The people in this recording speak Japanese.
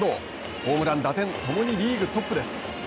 ホームラン、打点ともにリーグトップです。